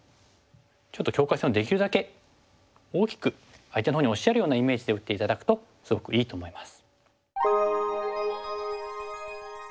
ちょっと境界線をできるだけ大きく相手のほうに押し上げるようなイメージで打って頂くとすごくいいと思います。